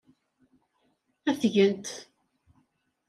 Ad t-gent.